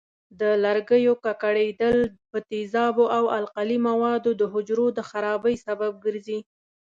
د لرګیو ککړېدل په تیزابونو او القلي موادو د حجرو د خرابۍ سبب ګرځي.